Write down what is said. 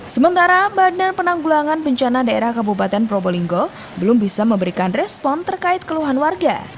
sementara badan penanggulangan bencana daerah kabupaten probolinggo belum bisa memberikan respon terkait keluhan warga